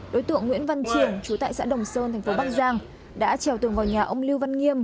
đối tượng nguyễn văn triển chú tại xã đồng sơn thành phố bắc giang đã trèo tường vào nhà ông lưu văn nghiêm